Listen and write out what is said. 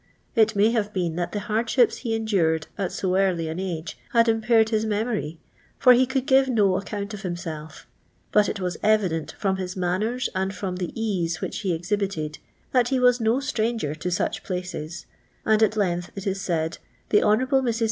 It may have been that the hardships he endured at so early an age had impaired his memory, fur he could give no account of himself; but it was evident, from his manners and from the ease which he exhibited, that he was no stranger to •uch places, and at length, it is said, the Hon. Mrs.